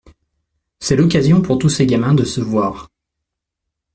C’est l’occasion pour tous ces gamins de se voir.